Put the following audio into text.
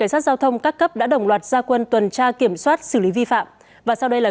cảnh sát giao thông các cấp đã đồng loạt gia quân tuần tra kiểm soát xử lý vi phạm và sau đây là